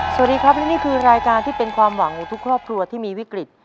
สวัสดีครับและนี่คือรายการที่เป็นความหวังของทุกครอบครัวที่มีวิกฤต